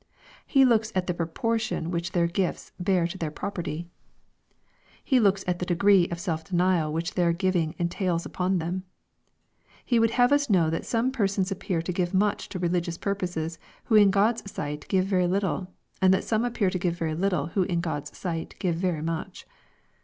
He looks at the proportion which their gifts bear to theii property. He looks at the degree of self denial which their giving entails upon them. He would have us know that some persons appear to give much to religious pur poses who in God's sight give very little, and that some appear to give very little who in God's sight give very much.